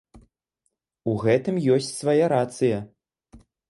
У гэтым ёсць свая рацыя.